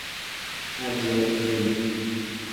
Adiaŭ, Heleno!